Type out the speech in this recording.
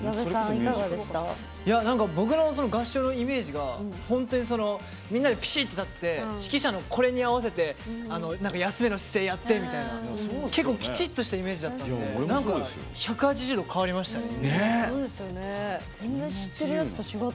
僕の合唱のイメージが本当にみんなでぴしって立って指揮者に合わせて休めの姿勢やってみたいなきちっとしたイメージだったので１８０度変わりましたね。